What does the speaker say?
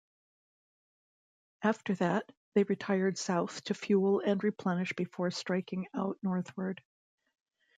After that, they retired south to fuel and replenish before striking out northward.